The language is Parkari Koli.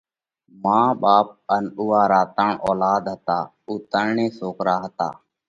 مان ٻاپ ان اُوئا را ترڻ اولاڌ هتا، اُو ترڻي سوڪرا هتا۔